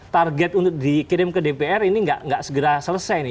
target untuk dikirim ke dpr ini tidak segera selesai